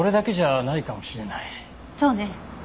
そうね。